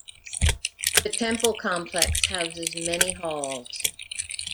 The temple complex houses many halls.